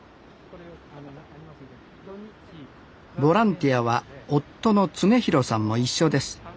ボランティアは夫の恒博さんも一緒です。